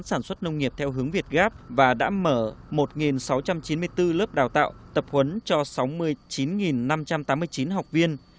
sản xuất nông nghiệp theo hướng việt gap và đã mở một sáu trăm linh mô hình sản xuất nông nghiệp